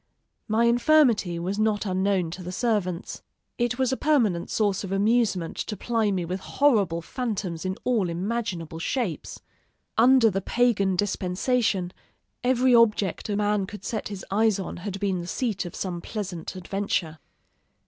My infirmity was not unknown to the servants. It was a permanent source of amusement to ply me with horrible phantoms in all imaginable shapes. Under the pagan dispensation, every object a man could set his eyes on had been the seat of some pleasant adventure.